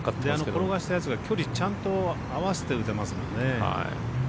転がしたやつが距離ちゃんと合わせて打てますもんね。